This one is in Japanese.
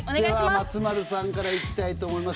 では松丸さんからいきたいと思います。